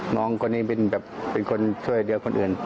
น้องคนนี้เป็นคนช่วยเหลือคนอื่น